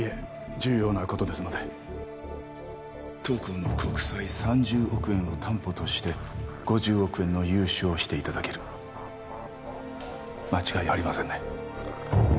重要なことですので当行の国債３０億円を担保として５０億円の融資をしていただける間違いありませんね